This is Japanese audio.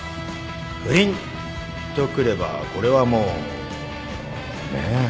不倫とくればこれはもうねえ。